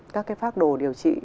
các cái pháp đồ điều trị